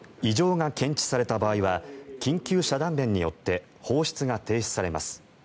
異常が検知された場合は緊急遮断弁によって放出が停止されます。